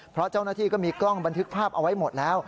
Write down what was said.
เพราะเจ้าหน้าที่ก็มีกล้องบันทึกภาพเอาไว้หมดแล้ว